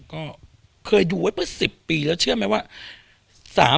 ก็เคยดูไว้เมื่อ๑๐ปีแล้วเชื่อไหมว่า